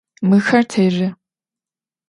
Mıxer terı.